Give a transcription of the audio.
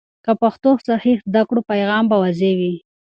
که پښتو صحیح زده کړو، پیغام به واضح وي.